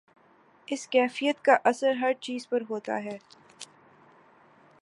اس کیفیت کا اثر ہر چیز پہ ہوتا ہے۔